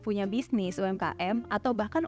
punya bisnis umkm atau bahkan